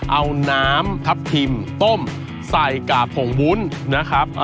เอาน้ำทับทิมต้มใส่กากผงวุ้นนะครับ